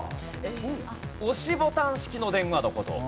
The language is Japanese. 押しボタン式の電話の事。